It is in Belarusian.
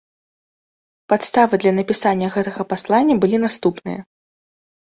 Падставы для напісання гэтага паслання былі наступныя.